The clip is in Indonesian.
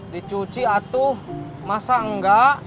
dicuci atuh masa enggak